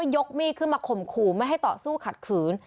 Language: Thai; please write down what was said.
ที่บ้านล่ะที่ร้องบ้าน